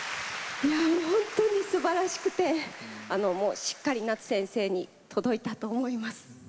本当にすばらしくてしっかり夏先生に届いたと思います。